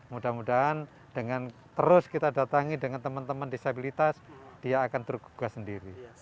mudah mudahan dengan terus kita datangi dengan teman teman disabilitas dia akan tergugah sendiri